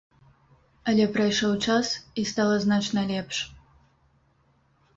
Але прайшоў час, і стала значна лепш.